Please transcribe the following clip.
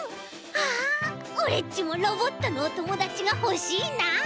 ああオレっちもロボットのおともだちがほしいな。